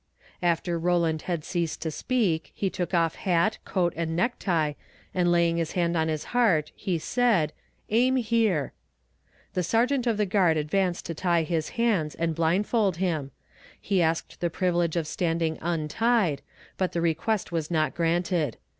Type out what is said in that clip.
"After Rowland had ceased to speak, he took off hat, coat and neck tie, and laying his hand on his heart, he said, "Aim here." The sergeant of the guard advanced to tie his hands and blindfold him. He asked the privilege of standing untied, but the request was not granted.